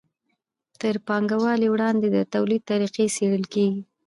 تر پانګوالۍ وړاندې د توليد طریقې څیړل کیږي.